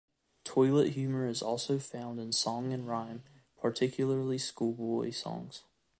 Toilet humour is also found in song and rhyme, particularly schoolboy songs.